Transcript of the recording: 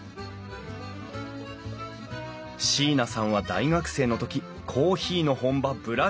椎名さんは大学生の時コーヒーの本場ブラジルへ留学。